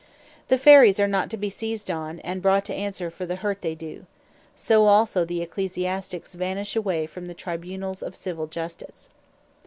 The fairies are not to be seized on; and brought to answer for the hurt they do. So also the Ecclesiastiques vanish away from the Tribunals of Civill Justice.